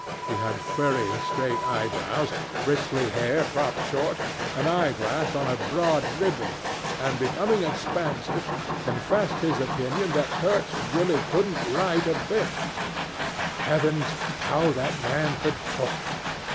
He had furry straight eyebrows, bristly hair cropped short, an eye glass on a broad ribbon, and, becoming expansive, confessed his opinion that Kurtz really couldn't write a bit 'but heavens! how that man could talk!